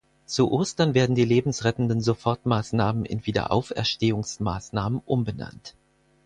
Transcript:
Zu Ostern werden die lebensrettenden Sofortmaßnahmen in Wiederauferstehungsmaßnahmen umbenannt.